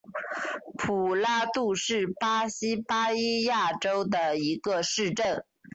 普拉杜是巴西巴伊亚州的一个市镇。